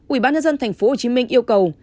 ubnd tp hcm yêu cầu